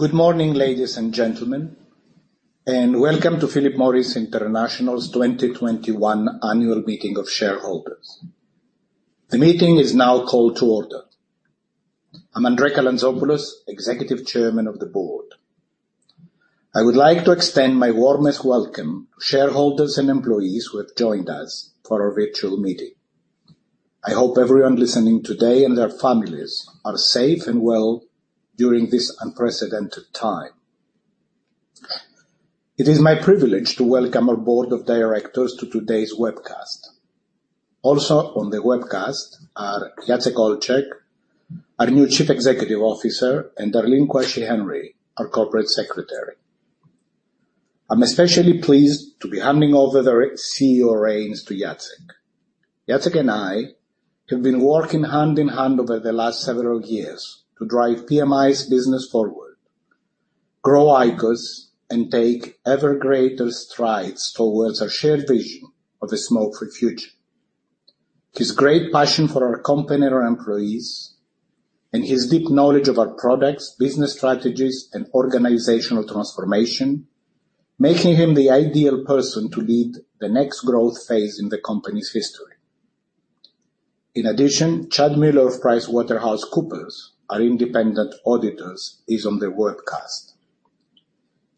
Good morning, ladies and gentlemen, and welcome to Philip Morris International's 2021 Annual Meeting of Shareholders. The meeting is now called to order. I'm André Calantzopoulos, Executive Chairman of the Board. I would like to extend my warmest welcome to shareholders and employees who have joined us for our virtual meeting. I hope everyone listening today and their families are safe and well during this unprecedented time. It is my privilege to welcome our board of directors to today's webcast. Also on the webcast are Jacek Olczak, our new Chief Executive Officer, and Darlene Quashie Henry, our Corporate Secretary. I'm especially pleased to be handing over the CEO reins to Jacek. Jacek and I have been working hand-in-hand over the last several years to drive PMI's business forward, grow IQOS, and take ever greater strides towards our shared vision of a smoke-free future. His great passion for our company and our employees, and his deep knowledge of our products, business strategies, and organizational transformation, making him the ideal person to lead the next growth phase in the company's history. In addition, Chad Mueller of PricewaterhouseCoopers, our independent auditors, is on the webcast.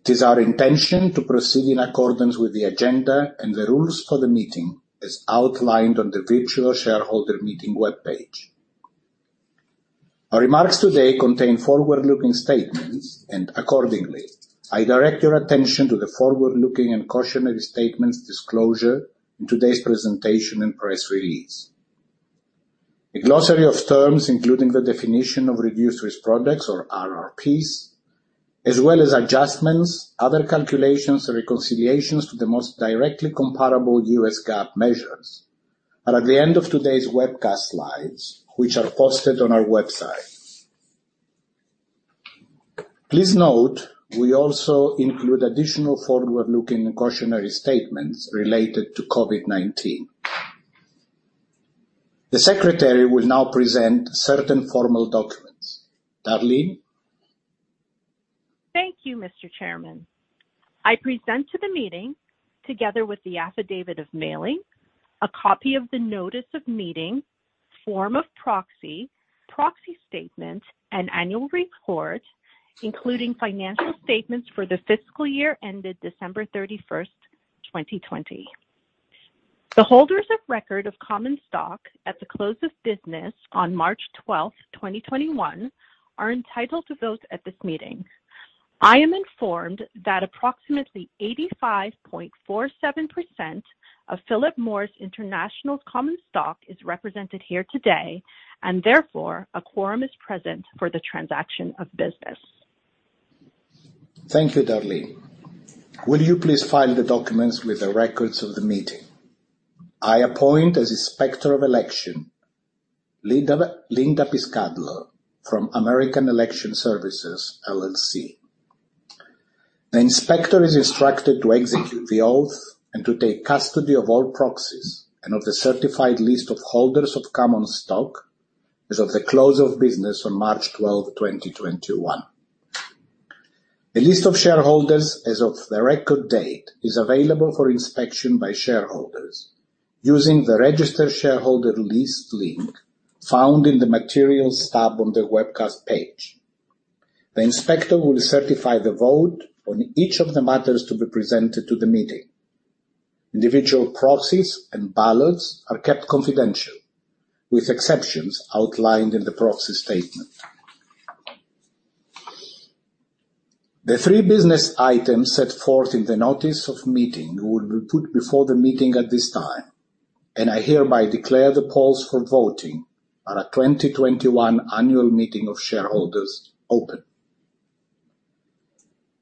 It is our intention to proceed in accordance with the agenda and the rules for the meeting as outlined on the virtual shareholder meeting webpage. Our remarks today contain forward-looking statements, and accordingly, I direct your attention to the forward-looking and cautionary statements disclosure in today's presentation and press release. A glossary of terms, including the definition of reduced-risk products, or RRPs, as well as adjustments, other calculations, and reconciliations to the most directly comparable US GAAP measures, are at the end of today's webcast slides, which are posted on our website. Please note, we also include additional forward-looking and cautionary statements related to COVID-19. The secretary will now present certain formal documents. Darlene. Thank you, Mr. Chairman. I present to the meeting, together with the affidavit of mailing, a copy of the notice of meeting, form of proxy statement, and annual report, including financial statements for the fiscal year ended December 31st, 2020. The holders of record of common stock at the close of business on March 12th, 2021, are entitled to vote at this meeting. I am informed that approximately 85.47% of Philip Morris International common stock is represented here today, and therefore, a quorum is present for the transaction of business. Thank you, Darlene. Will you please file the documents with the records of the meeting? I appoint as inspector of election, Linda Piscadlo from American Election Services, LLC. The inspector is instructed to execute the oath and to take custody of all proxies and of the certified list of holders of common stock as of the close of business on March 12, 2021. A list of shareholders as of the record date is available for inspection by shareholders using the registered shareholder list link found in the Materials tab on the webcast page. The inspector will certify the vote on each of the matters to be presented to the meeting. Individual proxies and ballots are kept confidential, with exceptions outlined in the proxy statement. The three business items set forth in the notice of meeting will be put before the meeting at this time, and I hereby declare the polls for voting on our 2021 annual meeting of shareholders open.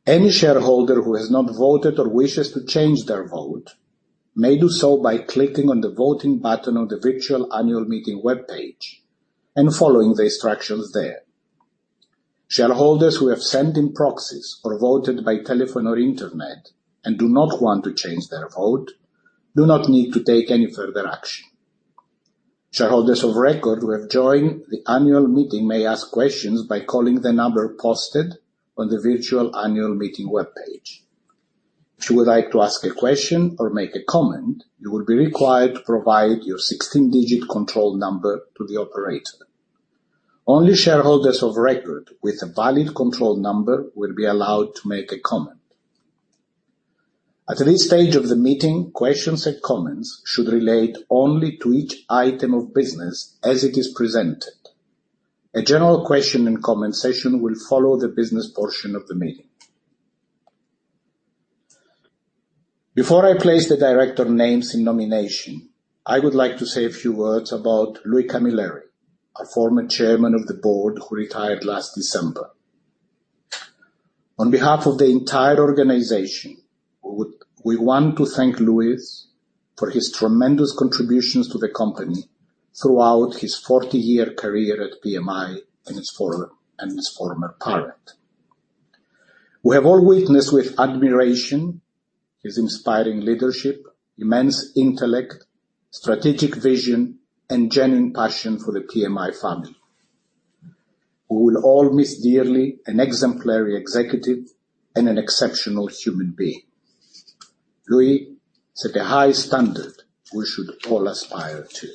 Any shareholder who has not voted or wishes to change their vote may do so by clicking on the voting button on the virtual annual meeting webpage and following the instructions there. Shareholders who have sent in proxies or voted by telephone or internet and do not want to change their vote do not need to take any further action. Shareholders of record who have joined the annual meeting may ask questions by calling the number posted on the virtual annual meeting webpage. If you would like to ask a question or make a comment, you will be required to provide your 16-digit control number to the operator. Only shareholders of record with a valid control number will be allowed to make a comment. At this stage of the meeting, questions and comments should relate only to each item of business as it is presented. A general question and comment session will follow the business portion of the meeting. Before I place the director names in nomination, I would like to say a few words about Louis Camilleri, our former Chairman of the Board, who retired last December. On behalf of the entire organization, we want to thank Louis for his tremendous contributions to the company throughout his 40-year career at PMI and its former parent. We have all witnessed with admiration his inspiring leadership, immense intellect, strategic vision, and genuine passion for the PMI family. We will all miss dearly an exemplary executive and an exceptional human being. Louis set a high standard we should all aspire to.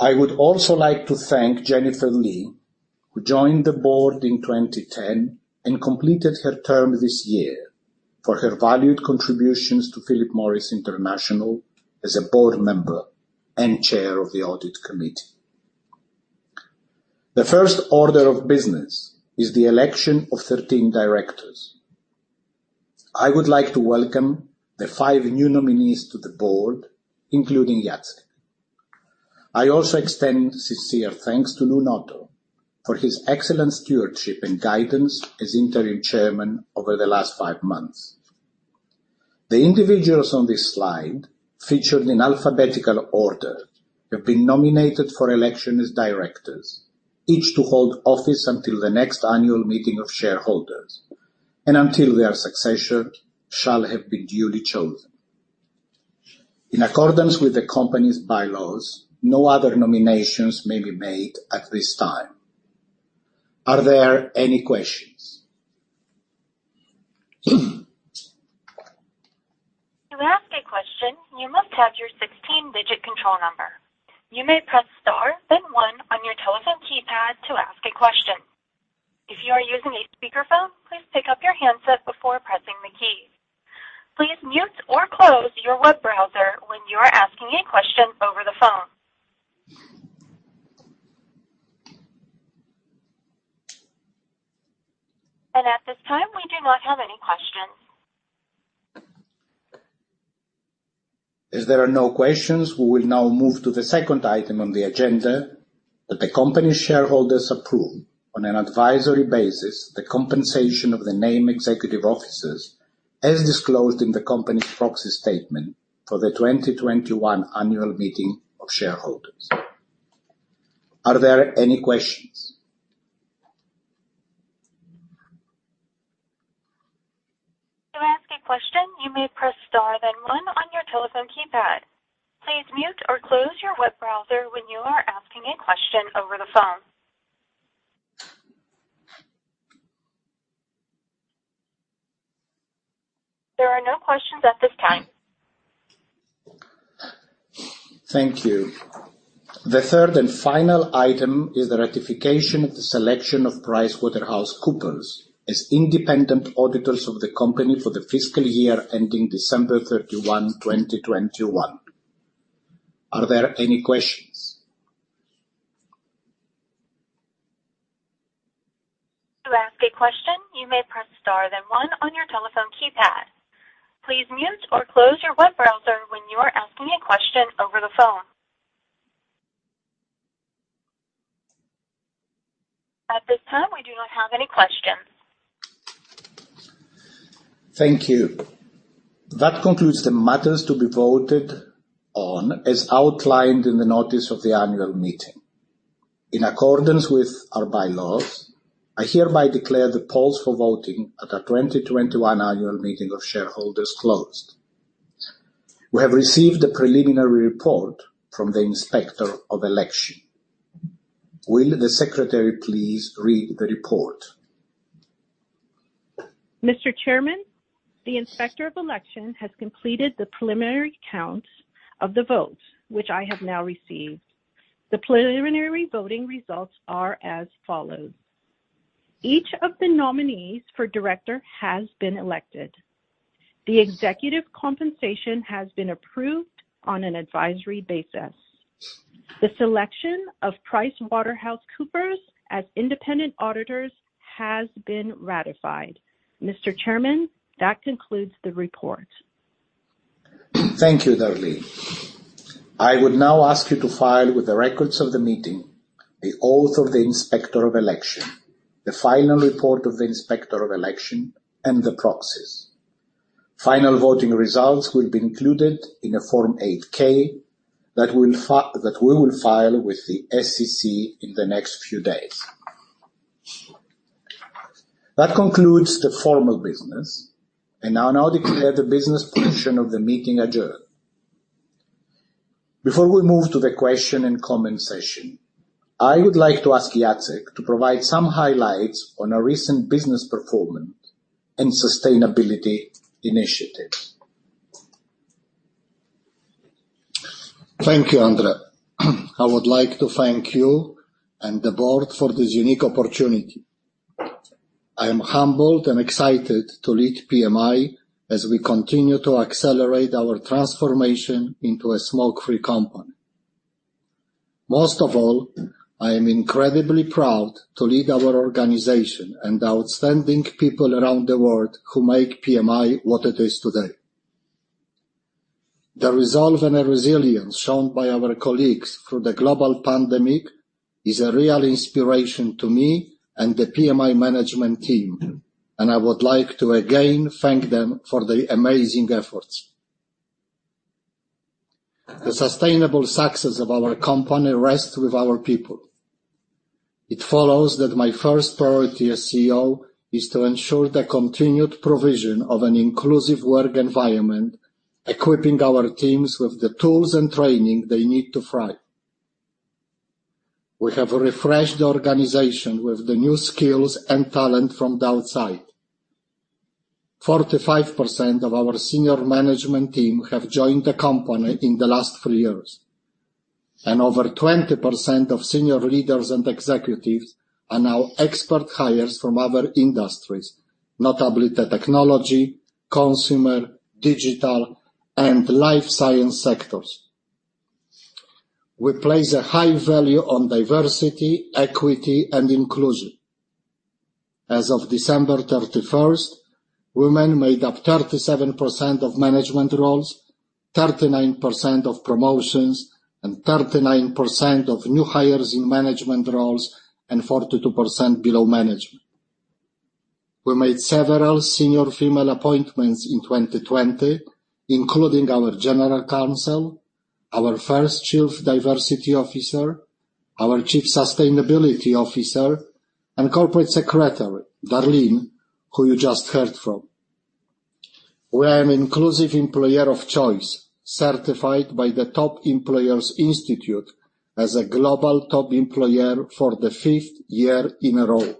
I would also like to thank Jennifer Li, who joined the board in 2010 and completed her term this year, for her valued contributions to Philip Morris International as a board member and chair of the audit committee. The first order of business is the election of 13 directors. I would like to welcome the five new nominees to the board, including Jacek. I also extend sincere thanks to Lou Noto for his excellent stewardship and guidance as interim chairman over the last five months. The individuals on this slide, featured in alphabetical order, have been nominated for election as directors, each to hold office until the next annual meeting of shareholders and until their successor shall have been duly chosen. In accordance with the company's bylaws, no other nominations may be made at this time. Are there any questions? To ask a question, you must have your 16-digit control number. You may press star then one on your telephone keypad to ask a question. If you are using a speakerphone, please pick up your handset before pressing the key. Please mute or close your web browser when you are asking a question over the phone. At this time, we do not have any questions. There are no questions, we will now move to the second item on the agenda that the company shareholders approve on an advisory basis the compensation of the named executive officers as disclosed in the company's proxy statement for the 2021 annual meeting of shareholders. Are there any questions? To ask a question, you may press star then one on your telephone keypad. Please mute or close your web browser when you are asking a question over the phone. There are no questions at this time. Thank you. The third and final item is the ratification of the selection of PricewaterhouseCoopers as independent auditors of the company for the fiscal year ending December 31, 2021. Are there any questions? To ask a question, you may press star then one on your telephone keypad. Please mute or close your web browser when you are asking a question over the phone. At this time, we do not have any questions. Thank you. That concludes the matters to be voted on as outlined in the notice of the annual meeting. In accordance with our bylaws, I hereby declare the polls for voting at the 2021 annual meeting of shareholders closed. We have received a preliminary report from the Inspector of Election. Will the secretary please read the report? Mr. Chairman, the Inspector of Election has completed the preliminary count of the votes, which I have now received. The preliminary voting results are as follows. Each of the nominees for director has been elected. The executive compensation has been approved on an advisory basis. The selection of PricewaterhouseCoopers as independent auditors has been ratified. Mr. Chairman, that concludes the report. Thank you, Darlene. I would now ask you to file with the records of the meeting, the oath of the Inspector of Election, the final report of the Inspector of Election, and the proxies. Final voting results will be included in a Form 8-K that we will file with the SEC in the next few days. That concludes the formal business, and I now declare the business portion of the meeting adjourned. Before we move to the question and comment session, I would like to ask Jacek to provide some highlights on our recent business performance and sustainability initiatives. Thank you, André. I would like to thank you and the board for this unique opportunity. I am humbled and excited to lead PMI as we continue to accelerate our transformation into a smoke-free company. Most of all, I am incredibly proud to lead our organization and the outstanding people around the world who make PMI what it is today. The resolve and the resilience shown by our colleagues through the global pandemic is a real inspiration to me and the PMI management team, and I would like to again thank them for their amazing efforts. The sustainable success of our company rests with our people. It follows that my first priority as CEO is to ensure the continued provision of an inclusive work environment, equipping our teams with the tools and training they need to thrive. We have refreshed the organization with the new skills and talent from the outside 45% of our senior management team have joined the company in the last three years, and over 20% of senior leaders and executives are now expert hires from other industries, notably the technology, consumer, digital, and life science sectors. We place a high value on diversity, equity, and inclusion. As of December 31st, women made up 37% of management roles, 39% of promotions, and 39% of new hires in management roles, and 42% below management. We made several senior female appointments in 2020, including our general counsel, our first chief diversity officer, our chief sustainability officer, and corporate secretary, Darlene, who you just heard from. We are an inclusive employer of choice, certified by the Top Employers Institute as a global top employer for the 5th year in a row.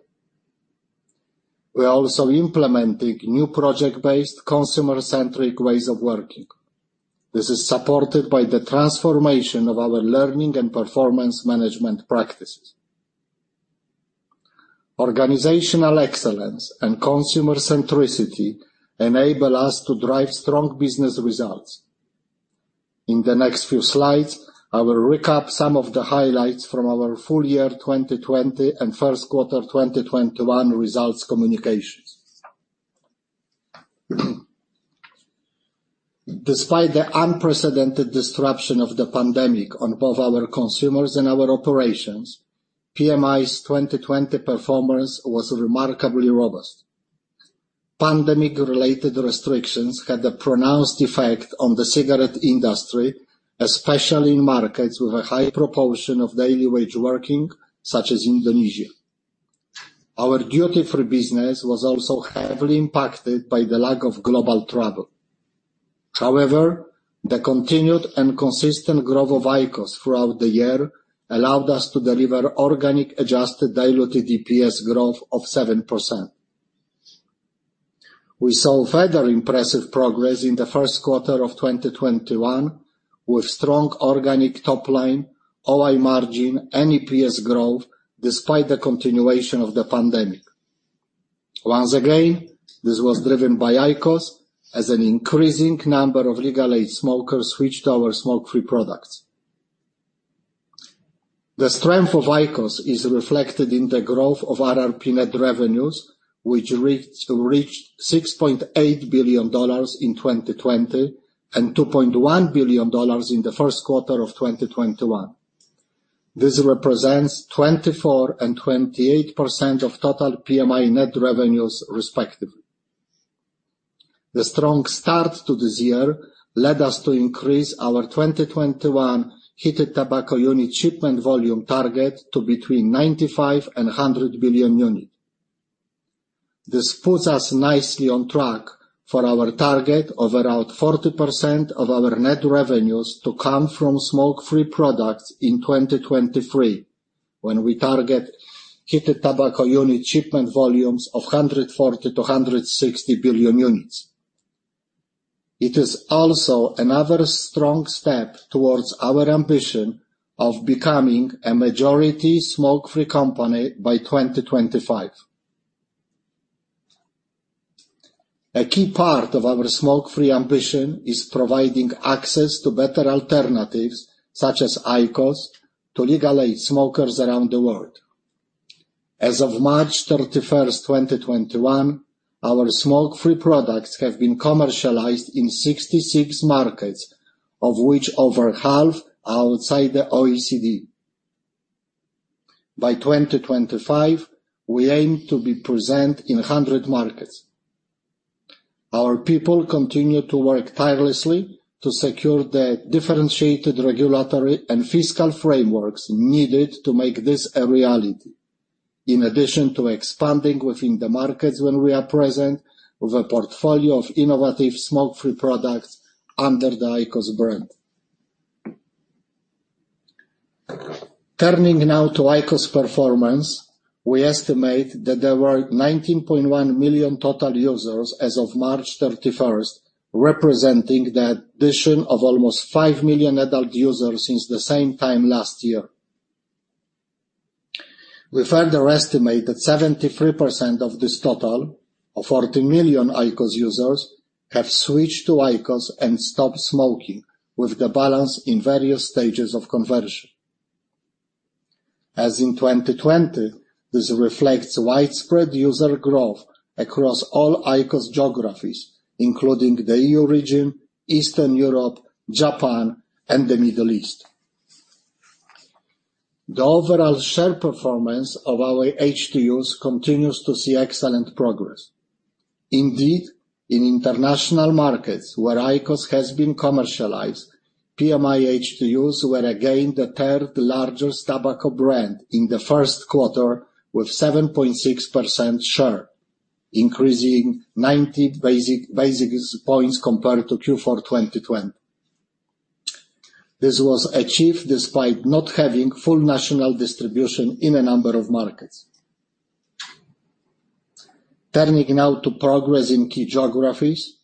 We are also implementing new project-based, consumer-centric ways of working. This is supported by the transformation of our learning and performance management practices. Organizational excellence and consumer centricity enable us to drive strong business results. In the next few slides, I will recap some of the highlights from our full year 2020 and first quarter 2021 results communications. Despite the unprecedented disruption of the pandemic on both our consumers and our operations, PMI's 2020 performance was remarkably robust. Pandemic-related restrictions had a pronounced effect on the cigarette industry, especially in markets with a high proportion of daily wage working, such as Indonesia. Our duty-free business was also heavily impacted by the lack of global travel. However, the continued and consistent growth of IQOS throughout the year allowed us to deliver organic adjusted diluted EPS growth of 7%. We saw further impressive progress in the first quarter of 2021 with strong organic top line OI margin and EPS growth despite the continuation of the pandemic. Once again, this was driven by IQOS as an increasing number of legal age smokers switched to our smoke-free products. The strength of IQOS is reflected in the growth of RRP net revenues, which reached $6.8 billion in 2020 and $2.1 billion in the first quarter of 2021. This represents 24% and 28% of total PMI net revenues respectively. The strong start to this year led us to increase our 2021 heated tobacco unit shipment volume target to between 95 billion and 100 billion units. This puts us nicely on track for our target of around 40% of our net revenues to come from smoke-free products in 2023 when we target heated tobacco unit shipment volumes of 140 billion to 160 billion units. It is also another strong step towards our ambition of becoming a majority smoke-free company by 2025. A key part of our smoke-free ambition is providing access to better alternatives, such as IQOS, to legal age smokers around the world. As of March 31st, 2021, our smoke-free products have been commercialized in 66 markets, of which over half are outside the OECD. By 2025, we aim to be present in 100 markets. Our people continue to work tirelessly to secure the differentiated regulatory and fiscal frameworks needed to make this a reality, in addition to expanding within the markets where we are present with a portfolio of innovative smoke-free products under the IQOS brand. Turning now to IQOS performance, we estimate that there were 19.1 million total users as of March 31st, representing the addition of almost 5 million adult users since the same time last year. We further estimate that 73% of this total, of 14 million IQOS users, have switched to IQOS and stopped smoking with the balance in various stages of conversion. As in 2020, this reflects widespread user growth across all IQOS geographies, including the EU region, Eastern Europe, Japan, and the Middle East. The overall share performance of our HTUs continues to see excellent progress. Indeed, in international markets where IQOS has been commercialized, PMI HTUs were again the third-largest tobacco brand in the first quarter with 7.6% share, increasing 90 basis points compared to Q4 2020. This was achieved despite not having full national distribution in a number of markets. Turning now to progress in key geographies.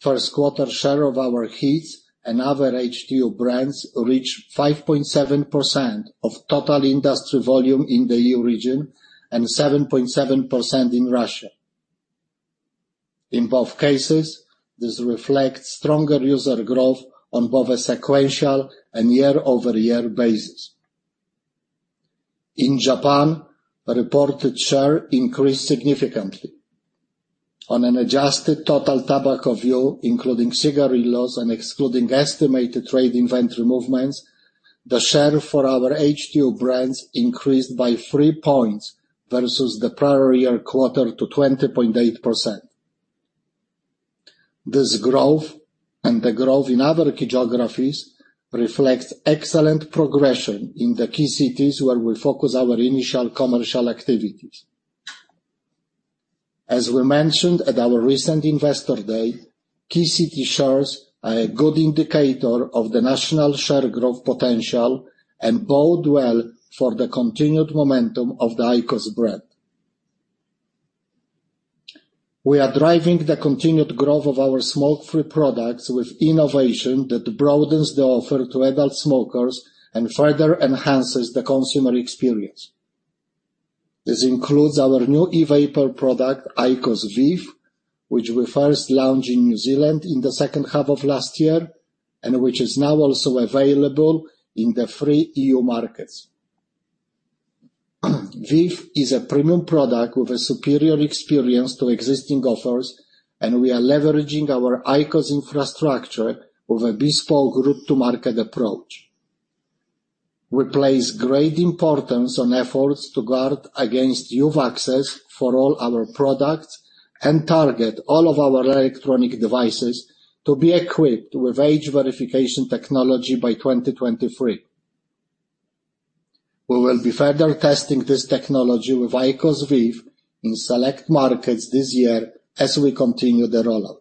First quarter share of our HEETS and other HTU brands reached 5.7% of total industry volume in the EU region and 7.7% in Russia. In both cases, this reflects stronger user growth on both a sequential and year-over-year basis. In Japan, reported share increased significantly. On an adjusted total tobacco view, including cigarillos and excluding estimated trade inventory movements, the share for our HTU brands increased by three points versus the prior year quarter to 20.8%. This growth and the growth in other key geographies reflect excellent progression in the key cities where we focus our initial commercial activities. As we mentioned at our recent Investor Day, key city shares are a good indicator of the national share growth potential and bode well for the continued momentum of the IQOS brand. We are driving the continued growth of our smoke-free products with innovation that broadens the offer to adult smokers and further enhances the consumer experience. This includes our new e-vapor product, IQOS VEEV, which we first launched in New Zealand in the second half of last year, and which is now also available in the three EU markets. VEEV is a premium product with a superior experience to existing offers, and we are leveraging our IQOS infrastructure with a bespoke route-to-market approach. We place great importance on efforts to guard against youth access for all our products and target all of our electronic devices to be equipped with age verification technology by 2023. We will be further testing this technology with IQOS VEEV in select markets this year as we continue the rollout.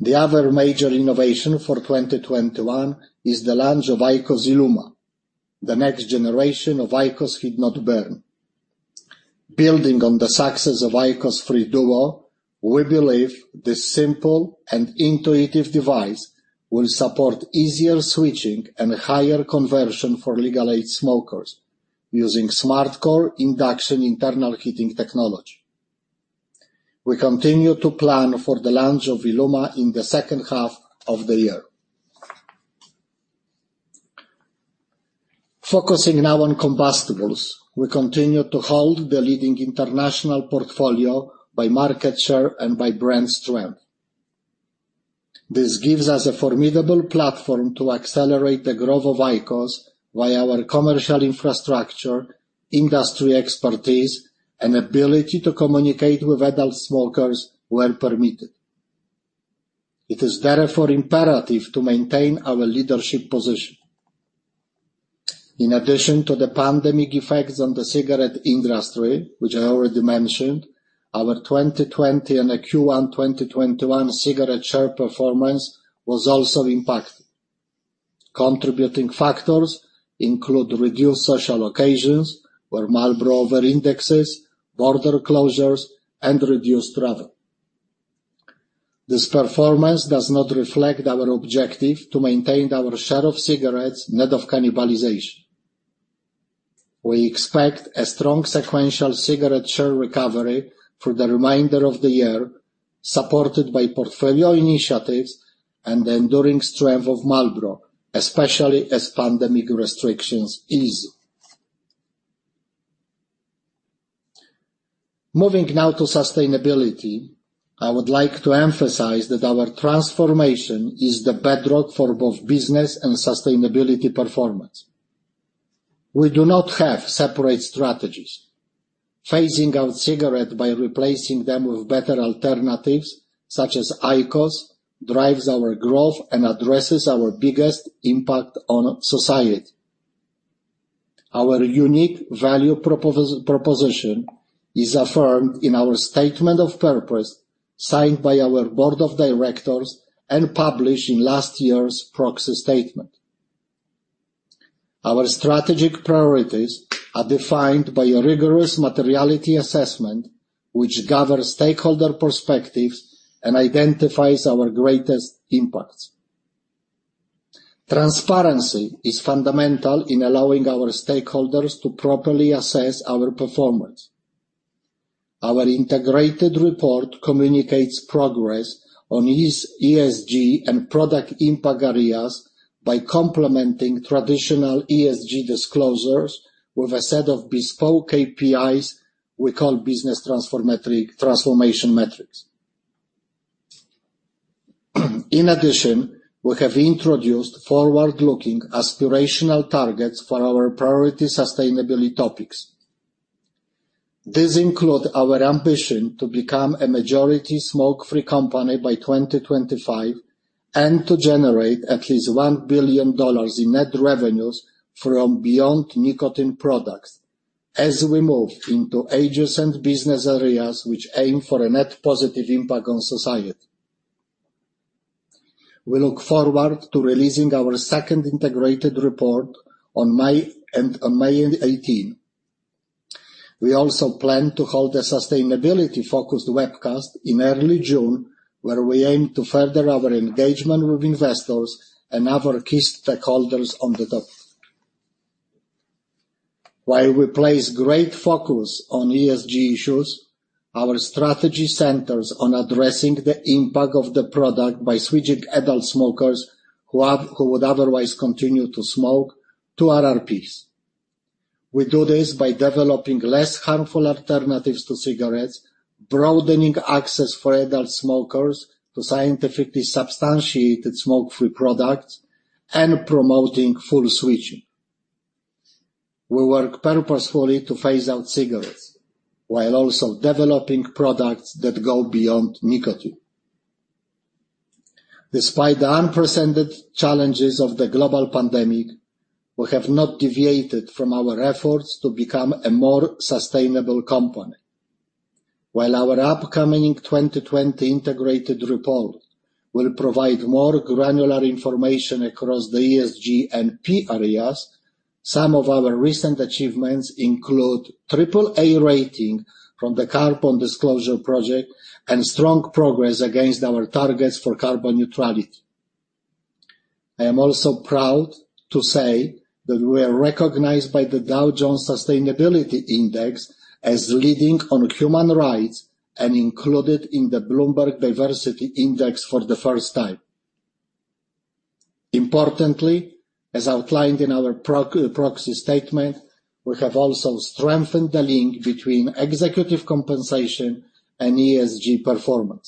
The other major innovation for 2021 is the launch of IQOS ILUMA, the next generation of IQOS Heat-not-burn. Building on the success of IQOS 3 DUO, we believe this simple and intuitive device will support easier switching and higher conversion for legal-age smokers using SMARTCORE induction internal heating technology. We continue to plan for the launch of ILUMA in the second half of the year. Focusing now on combustibles. We continue to hold the leading international portfolio by market share and by brand strength. This gives us a formidable platform to accelerate the growth of IQOS via our commercial infrastructure, industry expertise, and ability to communicate with adult smokers where permitted. It is therefore imperative to maintain our leadership position. In addition to the pandemic effects on the cigarette industry, which I already mentioned, our 2020 and Q1 2021 cigarette share performance was also impacted. Contributing factors include reduced social occasions where Marlboro overindexes, border closures, and reduced travel. This performance does not reflect our objective to maintain our share of cigarettes net of cannibalization. We expect a strong sequential cigarette share recovery for the remainder of the year, supported by portfolio initiatives and the enduring strength of Marlboro, especially as pandemic restrictions ease. Moving now to sustainability. I would like to emphasize that our transformation is the bedrock for both business and sustainability performance. We do not have separate strategies. Phasing out cigarettes by replacing them with better alternatives such as IQOS drives our growth and addresses our biggest impact on society. Our unique value proposition is affirmed in our statement of purpose signed by our board of directors and published in last year's proxy statement. Our strategic priorities are defined by a rigorous materiality assessment, which gathers stakeholder perspectives and identifies our greatest impacts. Transparency is fundamental in allowing our stakeholders to properly assess our performance. Our integrated report communicates progress on ESG and product impact areas by complementing traditional ESG disclosures with a set of bespoke KPIs we call business transformation metrics. We have introduced forward-looking aspirational targets for our priority sustainability topics. These include our ambition to become a majority smoke-free company by 2025, and to generate at least $1 billion in net revenues from beyond nicotine products as we move into adjacent business areas which aim for a net positive impact on society. We look forward to releasing our second integrated report on May 18. We also plan to hold a sustainability-focused webcast in early June, where we aim to further our engagement with investors and other key stakeholders on the topic. While we place great focus on ESG issues, our strategy centers on addressing the impact of the product by switching adult smokers who would otherwise continue to smoke to RRPs. We do this by developing less harmful alternatives to cigarettes, broadening access for adult smokers to scientifically substantiated smoke-free products, and promoting full switching. We work purposefully to phase out cigarettes while also developing products that go beyond nicotine. Despite the unprecedented challenges of the global pandemic, we have not deviated from our efforts to become a more sustainable company. While our upcoming 2020 integrated report will provide more granular information across the ESG and P areas, some of our recent achievements include triple A rating from the Carbon Disclosure Project and strong progress against our targets for carbon neutrality. I am also proud to say that we are recognized by the Dow Jones Sustainability Indices as leading on human rights and included in the Bloomberg Gender-Equality Index for the first time. Importantly, as outlined in our proxy statement, we have also strengthened the link between executive compensation and ESG performance.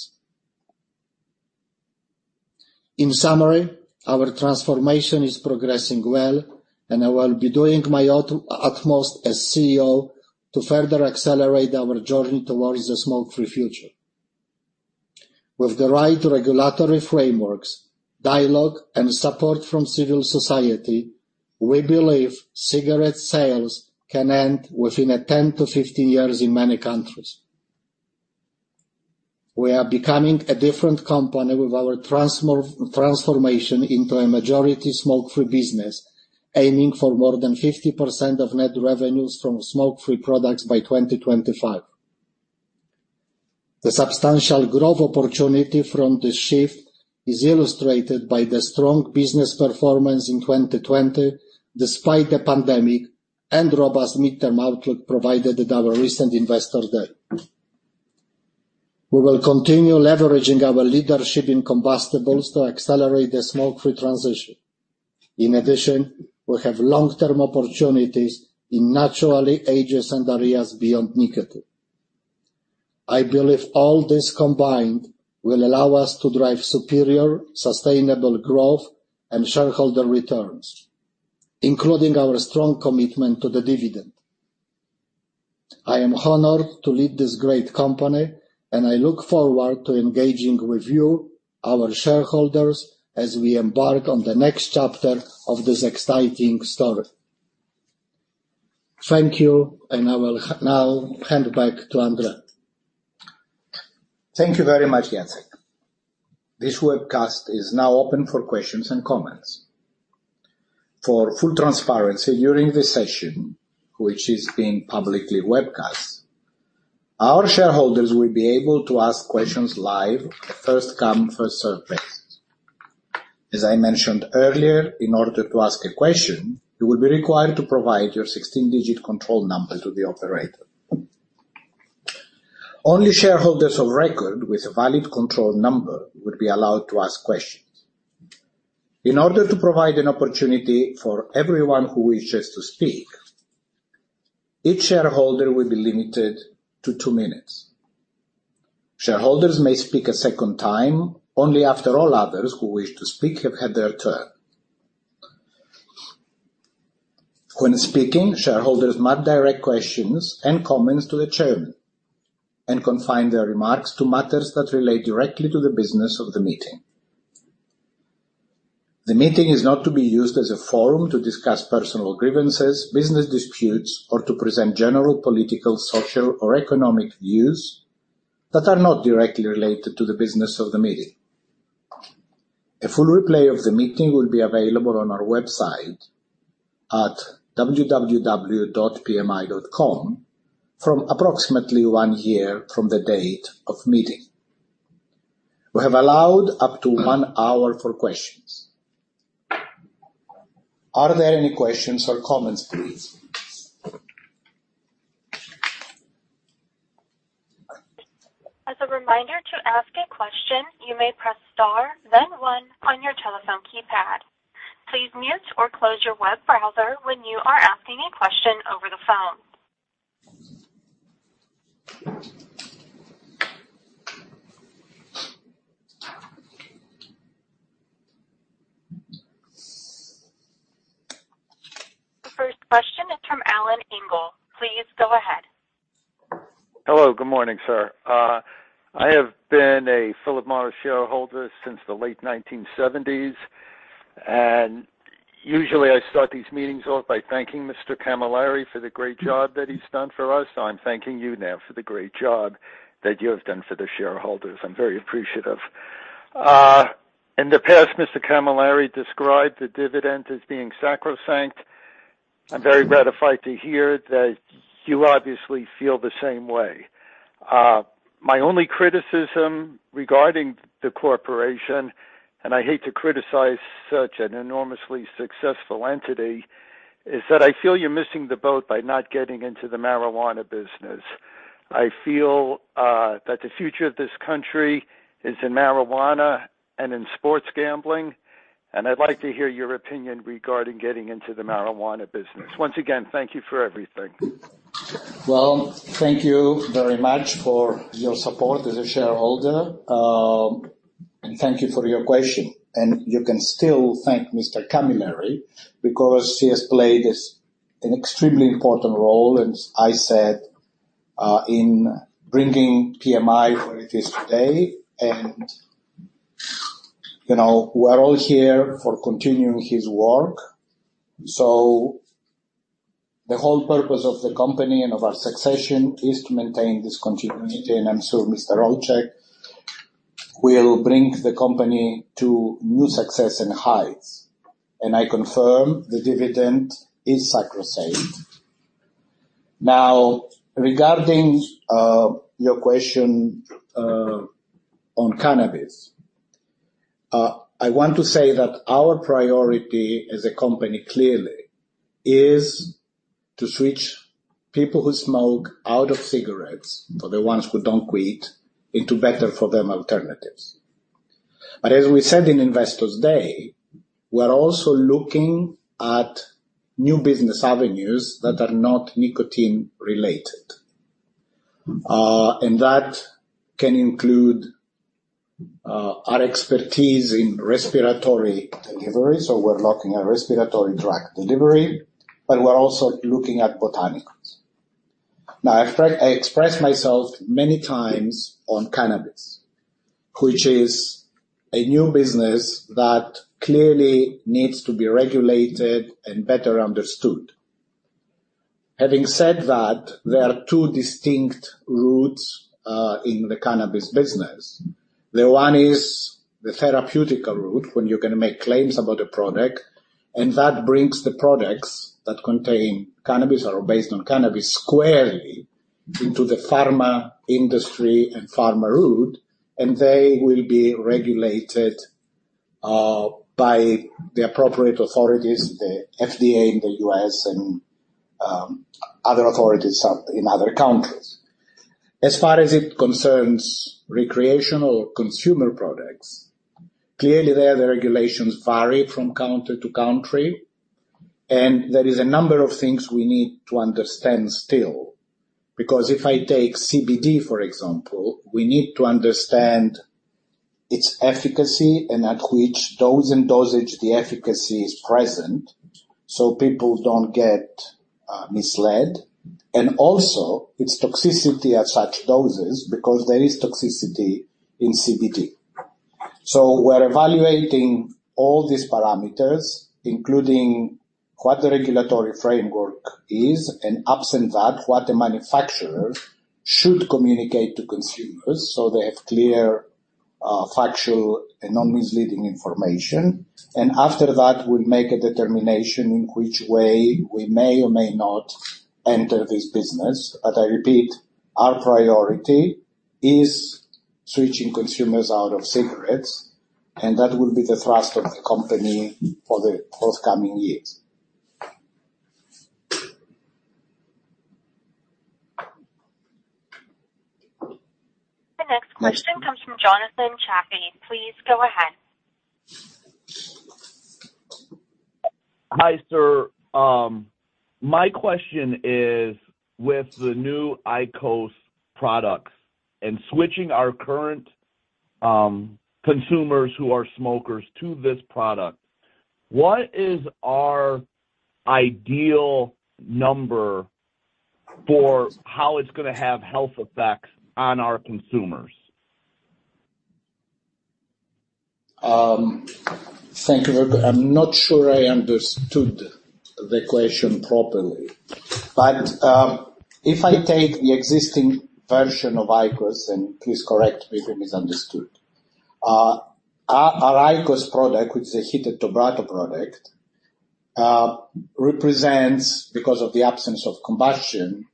In summary, our transformation is progressing well, and I will be doing my utmost as CEO to further accelerate our journey towards a smoke-free future. With the right regulatory frameworks, dialogue, and support from civil society, we believe cigarette sales can end within a 10 to 15 years in many countries. We are becoming a different company with our transformation into a majority smoke-free business, aiming for more than 50% of net revenues from smoke-free products by 2025. The substantial growth opportunity from this shift is illustrated by the strong business performance in 2020, despite the pandemic, and robust midterm outlook provided at our recent Investor Day. We will continue leveraging our leadership in combustibles to accelerate the smoke-free transition. In addition, we have long-term opportunities in naturally adjacent areas beyond nicotine. I believe all this combined will allow us to drive superior, sustainable growth and shareholder returns, including our strong commitment to the dividend. I am honored to lead this great company, and I look forward to engaging with you, our shareholders, as we embark on the next chapter of this exciting story. Thank you, and I will now hand back to André. Thank you very much, Jacek. This webcast is now open for questions and comments. For full transparency, during this session, which is being publicly webcast, our shareholders will be able to ask questions live on a first come, first served basis. As I mentioned earlier, in order to ask a question, you will be required to provide your 16-digit control number to the operator. Only shareholders of record with a valid control number will be allowed to ask questions. In order to provide an opportunity for everyone who wishes to speak, each shareholder will be limited to two minutes. Shareholders may speak a second time, only after all others who wish to speak have had their turn. When speaking, shareholders must direct questions and comments to the chairman and confine their remarks to matters that relate directly to the business of the meeting. The meeting is not to be used as a forum to discuss personal grievances, business disputes, or to present general political, social, or economic views that are not directly related to the business of the meeting. A full replay of the meeting will be available on our website at www.pmi.com from approximately one year from the date of meeting. We have allowed up to one hour for questions. Are there any questions or comments, please? The first question is from Alan Ingle. Please go ahead. Hello. Good morning, sir. I have been a Philip Morris shareholder since the late 1970s, and usually, I start these meetings off by thanking Mr. Camilleri for the great job that he's done for us. I'm thanking you now for the great job that you have done for the shareholders. I'm very appreciative. In the past, Mr. Camilleri described the dividend as being sacrosanct. I'm very gratified to hear that you obviously feel the same way. My only criticism regarding the corporation, and I hate to criticize such an enormously successful entity, is that I feel you're missing the boat by not getting into the marijuana business. I feel that the future of this country is in marijuana and in sports gambling, and I'd like to hear your opinion regarding getting into the marijuana business. Once again, thank you for everything. Well, thank you very much for your support as a shareholder. Thank you for your question. You can still thank Mr. Camilleri because he has played an extremely important role, as I said, in bringing PMI where it is today. We're all here for continuing his work. The whole purpose of the company and of our succession is to maintain this continuity, and I'm sure Olczak will bring the company to new success and heights. I confirm the dividend is sacrosanct. Now, regarding your question on cannabis. I want to say that our priority as a company, clearly, is to switch people who smoke out of cigarettes, for the ones who don't quit, into better for them alternatives. As we said in Investor Day, we're also looking at new business avenues that are not nicotine related. That can include our expertise in respiratory delivery. We're looking at respiratory drug delivery, but we're also looking at botanicals. I expressed myself many times on cannabis, which is a new business that clearly needs to be regulated and better understood. Having said that, there are two distinct routes in the cannabis business. The one is the therapeutical route, when you're going to make claims about a product, and that brings the products that contain cannabis or are based on cannabis squarely into the pharma industry and pharma route, and they will be regulated by the appropriate authorities, the FDA in the U.S. and other authorities in other countries. As far as it concerns recreational consumer products, clearly there, the regulations vary from country to country, and there is a number of things we need to understand still. If I take CBD, for example, we need to understand its efficacy and at which dose and dosage the efficacy is present so people don't get misled. Also, its toxicity at such doses, because there is toxicity in CBD. We're evaluating all these parameters, including what the regulatory framework is and, absent that, what the manufacturer should communicate to consumers so they have clear, factual, and non-misleading information. After that, we'll make a determination in which way we may or may not enter this business. I repeat, our priority is switching consumers out of cigarettes, and that will be the thrust of the company for the forthcoming years. The next question comes from Jonathan Chaffee. Please go ahead. Hi, sir. My question is with the new IQOS products and switching our current consumers who are smokers to this product, what is our ideal number for how it's going to have health effects on our consumers? Thank you very I'm not sure I understood the question properly. If I take the existing version of IQOS, and please correct me if I misunderstood. Our IQOS product, which is a heated tobacco product, represents, because of the absence of combustion,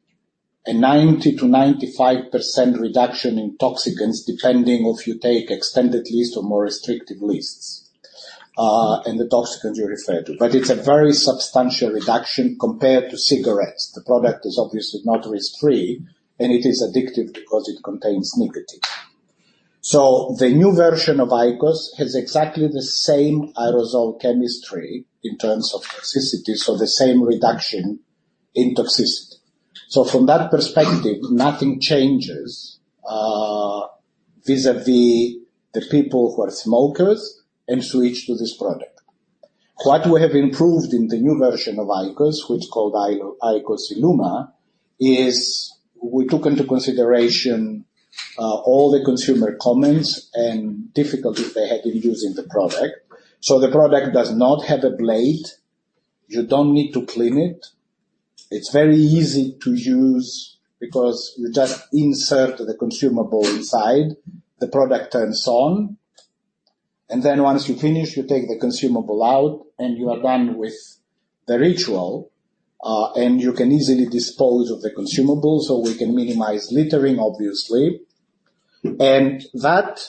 a 90%-95% reduction in toxicants, depending if you take extended lists or more restrictive lists, and the toxicants you referred to. It's a very substantial reduction compared to cigarettes. The product is obviously not risk-free, and it is addictive because it contains nicotine. The new version of IQOS has exactly the same aerosol chemistry in terms of toxicity, so the same reduction in toxicity. From that perspective, nothing changes vis-a-vis the people who are smokers and switch to this product. What we have improved in the new version of IQOS, which is called IQOS ILUMA, is we took into consideration all the consumer comments and difficulties they had in using the product. The product does not have a blade. You don't need to clean it. It's very easy to use because you just insert the consumable inside, the product turns on, and then once you finish, you take the consumable out, and you are done with the ritual. You can easily dispose of the consumable, so we can minimize littering, obviously. That,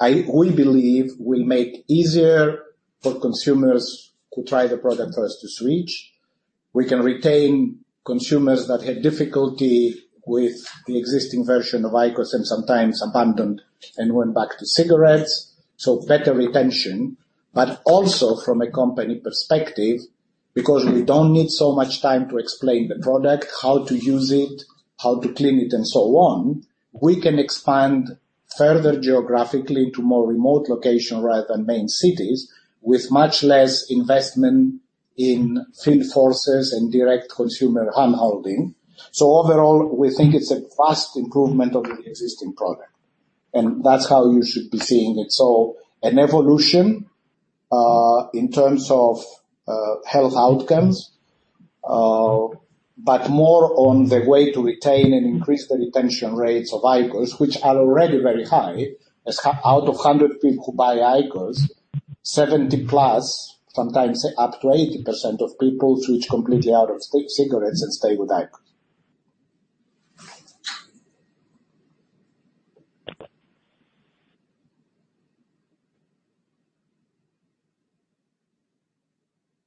we believe, will make easier for consumers to try the product for us to switch. We can retain consumers that had difficulty with the existing version of IQOS and sometimes abandoned and went back to cigarettes, so better retention. Also from a company perspective, because we don't need so much time to explain the product, how to use it, how to clean it, and so on, we can expand further geographically to more remote location rather than main cities, with much less investment in field forces and direct consumer handholding. Overall, we think it's a vast improvement over the existing product. That's how you should be seeing it. An evolution, in terms of health outcomes, but more on the way to retain and increase the retention rates of IQOS, which are already very high, as out of 100 people who buy IQOS, 70+, sometimes up to 80% of people switch completely out of cigarettes and stay with IQOS.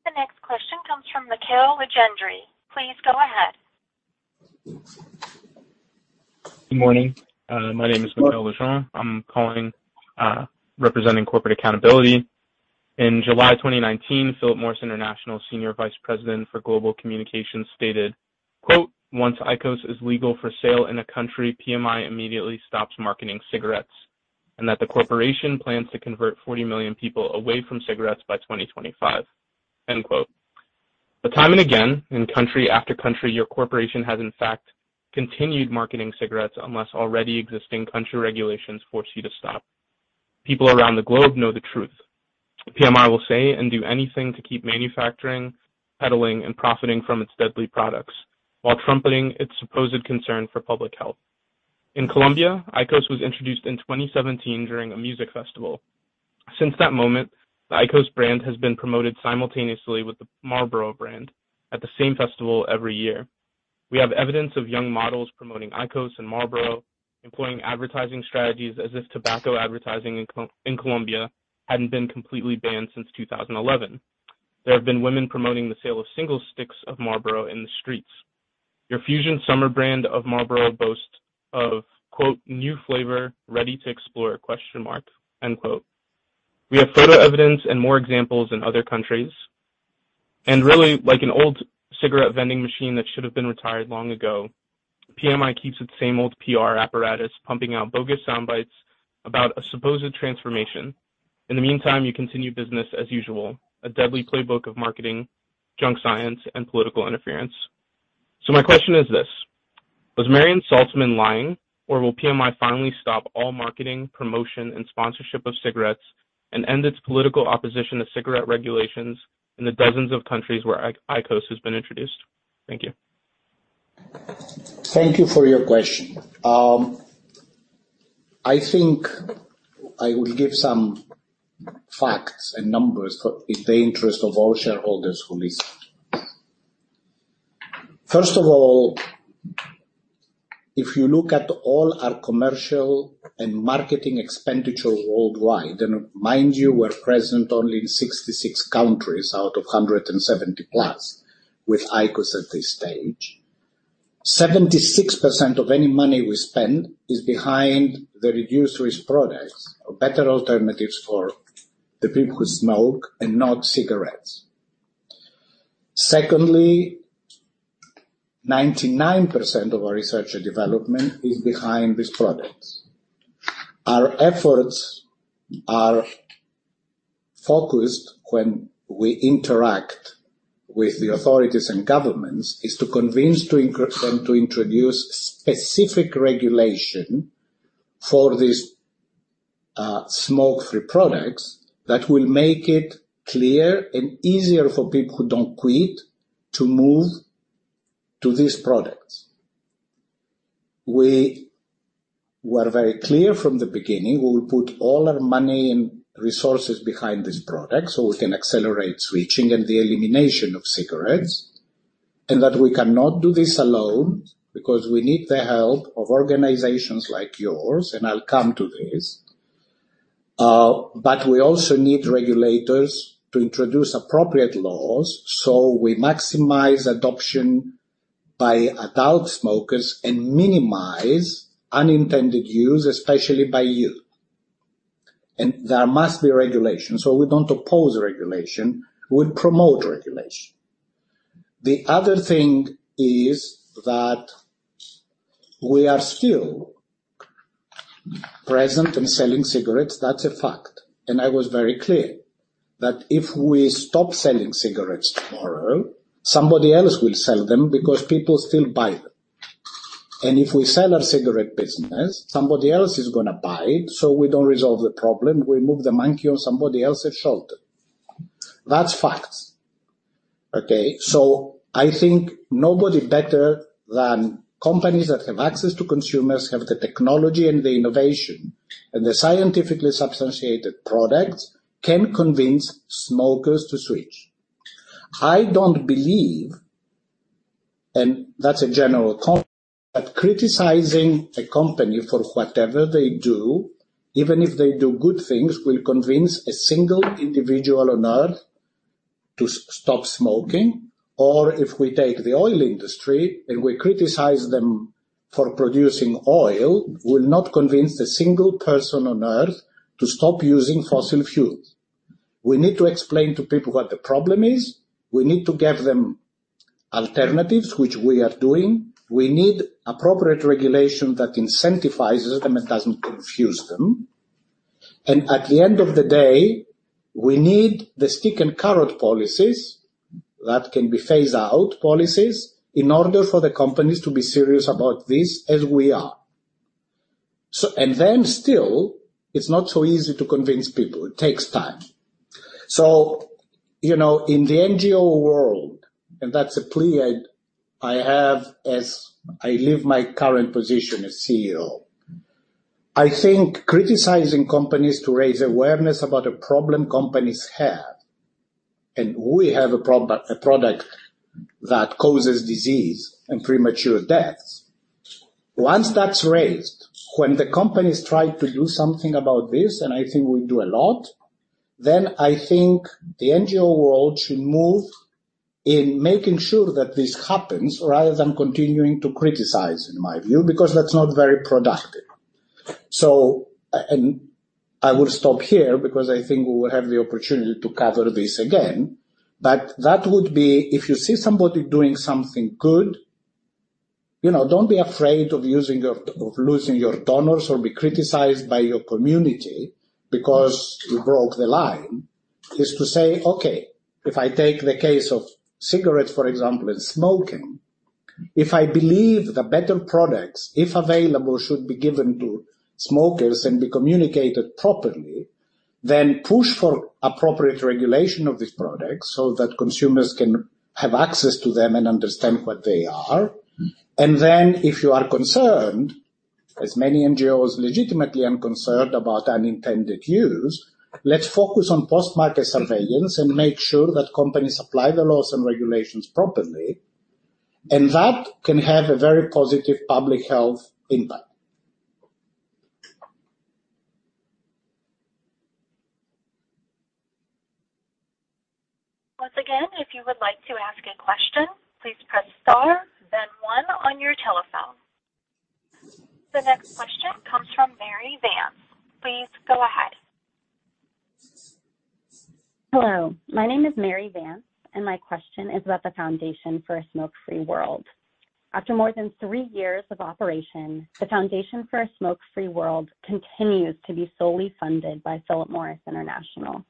The next question comes from Michél Legendre. Please go ahead. Good morning. My name is Michél Legendre. I'm calling, representing Corporate Accountability. In July 2019, Philip Morris International senior vice president for global communications stated, "Once IQOS is legal for sale in a country, PMI immediately stops marketing cigarettes, and that the corporation plans to convert 40 million people away from cigarettes by 2025." Time and again, in country after country, your corporation has in fact continued marketing cigarettes unless already existing country regulations force you to stop. People around the globe know the truth. PMI will say and do anything to keep manufacturing, peddling, and profiting from its deadly products while trumpeting its supposed concern for public health. In Colombia, IQOS was introduced in 2017 during a music festival. Since that moment, the IQOS brand has been promoted simultaneously with the Marlboro brand at the same festival every year. We have evidence of young models promoting IQOS and Marlboro, employing advertising strategies as if tobacco advertising in Colombia hadn't been completely banned since 2011. There have been women promoting the sale of single sticks of Marlboro in the streets. Your Fusion Summer brand of Marlboro boasts of, "New flavor, ready to explore?" We have photo evidence and more examples in other countries. Really, like an old cigarette vending machine that should've been retired long ago, PMI keeps its same old PR apparatus pumping out bogus sound bites about a supposed transformation. In the meantime, you continue business as usual, a deadly playbook of marketing, junk science, and political interference. My question is this: Was Marian Salzman lying, or will PMI finally stop all marketing, promotion, and sponsorship of cigarettes and end its political opposition to cigarette regulations in the dozens of countries where IQOS has been introduced? Thank you. Thank you for your question. I think I will give some facts and numbers in the interest of all shareholders who listen. First of all, if you look at all our commercial and marketing expenditures worldwide, and mind you, we're present only in 66 countries out of 170+ with IQOS at this stage, 76% of any money we spend is behind the reduced-risk products or better alternatives for the people who smoke and not cigarettes. Secondly, 99% of our research and development is behind these products. Our efforts are focused when we interact with the authorities and governments, is to convince them to introduce specific regulation for these smoke-free products that will make it clear and easier for people who don't quit to move to these products. We were very clear from the beginning, we will put all our money and resources behind this product so we can accelerate switching and the elimination of cigarettes, and that we cannot do this alone because we need the help of organizations like yours, and I'll come to this. We also need regulators to introduce appropriate laws, so we maximize adoption by adult smokers and minimize unintended use, especially by youth. There must be regulation. We don't oppose regulation, we promote regulation. The other thing is that we are still present and selling cigarettes, that's a fact. I was very clear that if we stop selling cigarettes tomorrow, somebody else will sell them because people still buy them. If we sell our cigarette business, somebody else is going to buy it. We don't resolve the problem. We move the monkey on somebody else's shoulder. That's facts. Okay. I think nobody better than companies that have access to consumers, have the technology and the innovation, and the scientifically substantiated products can convince smokers to switch. I don't believe, and that's a general comment, that criticizing a company for whatever they do, even if they do good things, will convince a single individual on Earth to stop smoking. If we take the oil industry and we criticize them for producing oil, will not convince a single person on Earth to stop using fossil fuels. We need to explain to people what the problem is. We need to give them alternatives, which we are doing. We need appropriate regulation that incentivizes them and doesn't confuse them. At the end of the day, we need the stick and carrot policies that can be phased out policies in order for the companies to be serious about this as we are. Still, it's not so easy to convince people. It takes time. In the NGO world, and that's a plea I have as I leave my current position as CEO, I think criticizing companies to raise awareness about a problem companies have, and we have a product that causes disease and premature deaths. Once that's raised, when the companies try to do something about this, and I think we do a lot, then I think the NGO world should move in making sure that this happens rather than continuing to criticize, in my view, because that's not very productive. I will stop here because I think we will have the opportunity to cover this again. That would be if you see somebody doing something good, don't be afraid of losing your donors or be criticized by your community because you broke the line. Is to say, okay, if I take the case of cigarettes, for example, and smoking, if I believe the better products, if available, should be given to smokers and be communicated properly, then push for appropriate regulation of these products so that consumers can have access to them and understand what they are. If you are concerned, as many NGOs legitimately are concerned about unintended use, let's focus on post-market surveillance and make sure that companies apply the laws and regulations properly, and that can have a very positive public health impact. Once again, if you would like to ask a question, please press star then one on your telephone. The next question comes from Mary Vance. Please go ahead. Hello, my name is Mary Vance, and my question is about the Foundation for a Smoke-Free World. After more than three years of operation, the Foundation for a Smoke-Free World continues to be solely funded by Philip Morris International.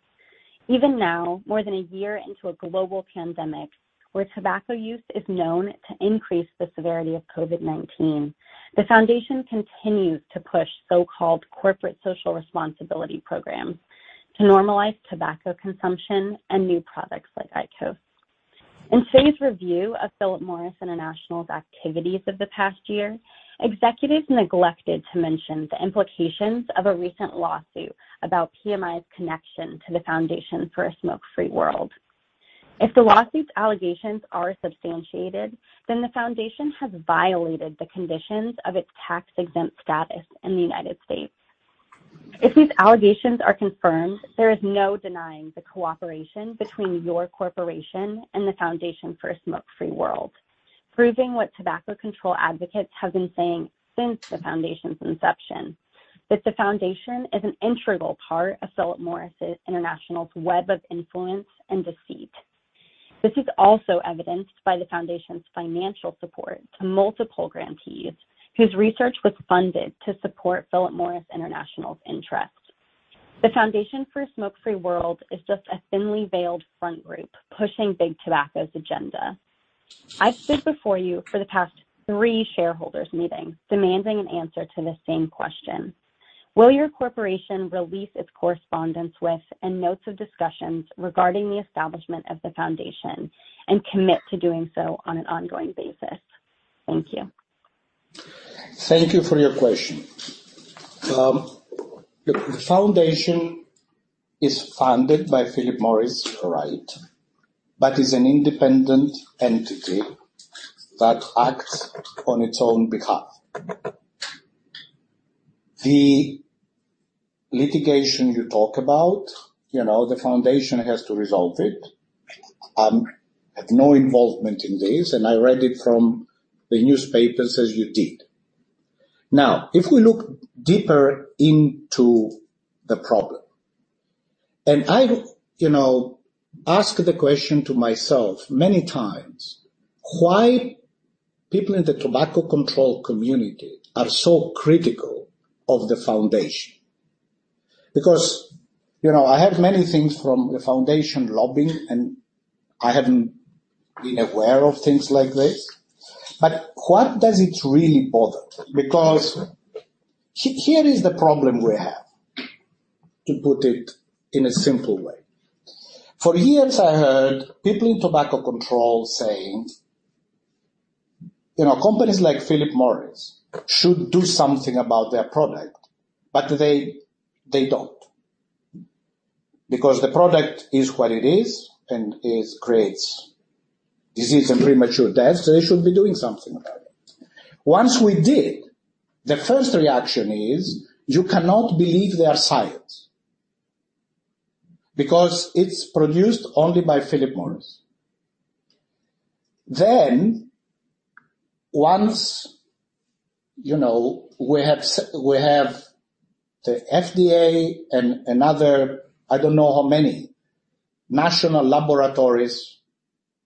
Even now, more than a year into a global pandemic where tobacco use is known to increase the severity of COVID-19, the foundation continues to push so-called corporate social responsibility programs to normalize tobacco consumption and new products like IQOS. In today's review of Philip Morris International's activities of the past year, executives neglected to mention the implications of a recent lawsuit about PMI's connection to the Foundation for a Smoke-Free World. If the lawsuit's allegations are substantiated, the foundation has violated the conditions of its tax-exempt status in the United States. If these allegations are confirmed, there is no denying the cooperation between your corporation and the Foundation for a Smoke-Free World, proving what tobacco control advocates have been saying since the foundation's inception, that the foundation is an integral part of Philip Morris International's web of influence and deceit. This is also evidenced by the foundation's financial support to multiple grantees whose research was funded to support Philip Morris International's interests. The Foundation for a Smoke-Free World is just a thinly veiled front group pushing big tobacco's agenda. I've stood before you for the past three shareholders meetings demanding an answer to the same question. Will your corporation release its correspondence with and notes of discussions regarding the establishment of the foundation and commit to doing so on an ongoing basis? Thank you. Thank you for your question. The foundation is funded by Philip Morris, right? Is an independent entity that acts on its own behalf. The litigation you talk about, the foundation has to resolve it. I have no involvement in this, and I read it from the newspapers as you did. Now, if we look deeper into the problem, and I ask the question to myself many times, why people in the tobacco control community are so critical of the foundation. I have many things from the foundation lobbying, and I haven't been aware of things like this. Why does it really bother? Here is the problem we have, to put it in a simple way. For years, I heard people in tobacco control saying, "Companies like Philip Morris should do something about their product," but they don't. Because the product is what it is and it creates disease and premature death, they should be doing something about it. Once we did, the first reaction is you cannot believe their science because it's produced only by Philip Morris. Once we have the FDA and other, I don't know how many, national laboratories